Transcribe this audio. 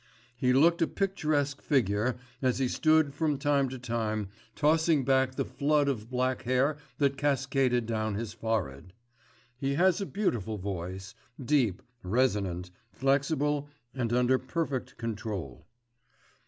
He looked a picturesque figure as he stood, from time to time tossing back the flood of black hair that cascaded down his forehead. He has a beautiful voice, deep, resonant, flexible and under perfect control.